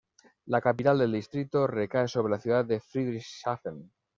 La capital del distrito recae sobre la ciudad de Friedrichshafen.